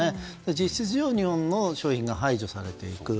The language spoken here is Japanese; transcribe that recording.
実質上、日本の製品が排除されていく。